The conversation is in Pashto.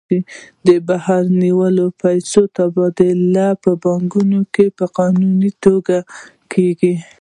د بهرنیو پیسو تبادله په بانکونو کې په قانوني توګه کیږي.